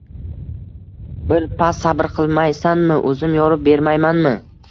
Birpas sabr qilmaysanmi, o‘zim yorib bermaymanmi?